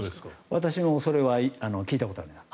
私もそれは聞いたことがあります。